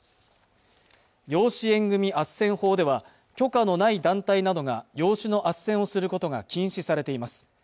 養子縁組あっせん法では許可のない団体などが養子のあっせんをすることが禁止されています